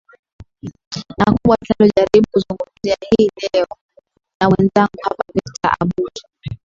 na kubwa tunalo jaribu kuzungumzia hii leo na mwenzangu hapa victor abuso